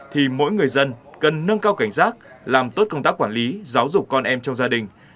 thì mỗi người dân cần nâng cao cảnh giác làm tốt công tác quản lý giáo dục con em trong gia đình